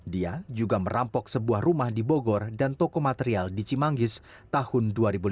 dia juga merampok sebuah rumah di bogor dan toko material di cimanggis tahun dua ribu lima belas